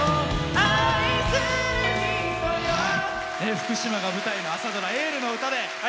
福島が舞台の朝ドラ「エール」の歌で。